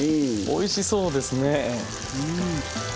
おいしそうですね。